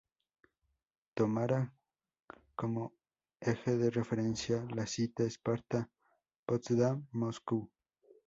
Tomará como eje de referencia la cita "Esparta-Potsdam-Moscú".